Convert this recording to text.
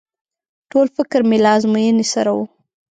ټول فکر مې له ازموينې سره و.